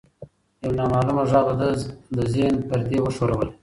یو نامعلومه غږ د ده د ذهن پردې وښورولې.